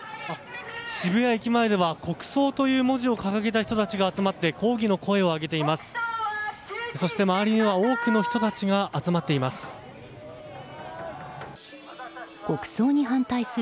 渋谷駅前では国葬という文字を掲げた人たちが集まって抗議の声を上げています。